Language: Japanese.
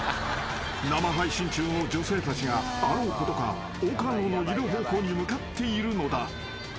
［生配信中の女性たちがあろうことか岡野のいる方向に向かっているのだ］